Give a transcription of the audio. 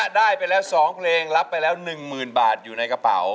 ได้ไปแล้วสองเพลงรับไปแล้วหนึ่งหมื่นบาทอยู่ในกระเป๋า